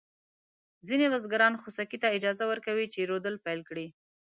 ځینې بزګران خوسکي ته اجازه ورکوي چې رودل پيل کړي.